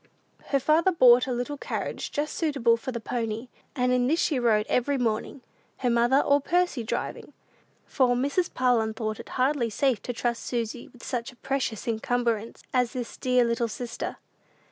Her father bought a little carriage just suitable for the pony, and in this she rode every morning, her mother or Percy driving; for Mrs. Parlin thought it hardly safe to trust Susy with such a precious encumbrance as this dear little sister.